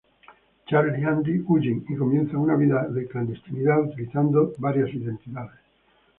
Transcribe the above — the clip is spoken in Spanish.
Charlie y Andy huyen y comienzan una vida de clandestinidad, utilizando varias identidades.